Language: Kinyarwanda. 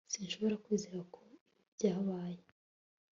sinshobora kwizera ko ibi byabaye